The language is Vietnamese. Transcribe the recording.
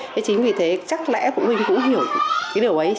thế chính vì thế chắc lẽ phụ huynh cũng hiểu cái điều ấy